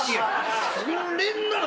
「それなら」